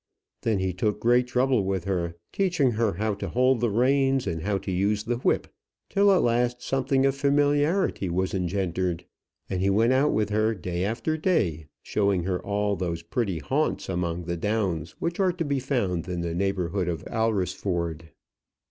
Then he took great trouble with her, teaching her how to hold the reins, and how to use the whip, till at last something of familiarity was engendered. And he went out with her, day after day, showing her all those pretty haunts among the downs which are to be found in the neighbourhood of Alresford.